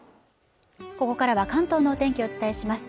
ここからは関東のお天気をお伝えします